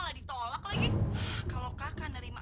katanya memasak enak